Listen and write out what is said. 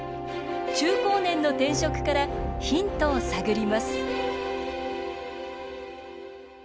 中高年の転職からヒントを探ります